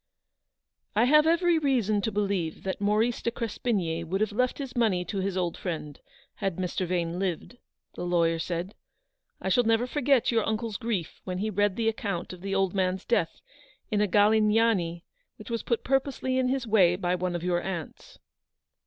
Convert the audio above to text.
"I have every reason to believe that Maurice de Crespigny would have left his money to his old friend had Mr. Vane lived/' the lawyer said. "I never shall forget your uncle's grief when he read the account of the old man's death in a c Galignani' which was put purposely in his way by one of your aunts."